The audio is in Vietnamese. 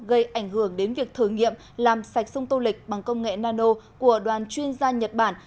gây ảnh hưởng đến việc thử nghiệm làm sạch sông tô lịch bằng công nghệ nano của đoàn chuyên gia nhật bản